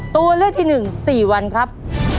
ตัวเลือกที่หนึ่ง๔วันครับ